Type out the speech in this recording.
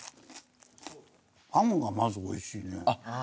パンがまずおいしいね。